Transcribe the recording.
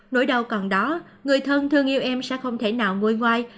nỗi đau còn đó người thân thương yêu em sẽ không thể nào nguôi ngoai